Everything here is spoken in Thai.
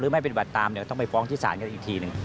ไม่ปฏิบัติตามต้องไปฟ้องที่ศาลกันอีกทีหนึ่ง